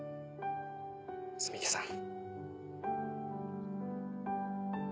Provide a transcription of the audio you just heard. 摘木さん。